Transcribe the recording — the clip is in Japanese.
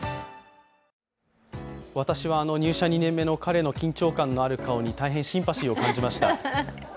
私は入社２年目の彼の緊張している顔に大変シンパシーを感じました。